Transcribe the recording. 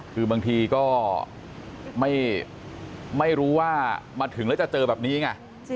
คือบางทีก็ไม่รู้ว่ามาถึงแล้วจะเจอแบบนี้ไง